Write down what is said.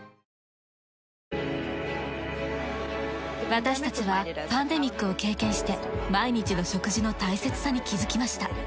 私たちはパンデミックを経験して毎日の食事の大切さに気づきました。